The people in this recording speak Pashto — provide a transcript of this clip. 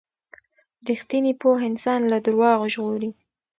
ریښتینې پوهه انسان له درواغو ژغوري.